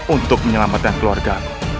untuk menyelamatkan keluargaku